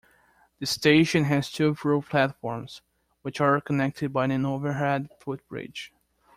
The station has two through platforms, which are connected by an overhead footbridge.